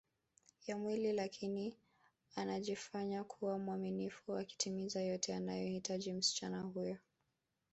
ya mwili lakini anajifanya kuwa mwaminifu akitimiza yote anayoyahitaji msichana huyo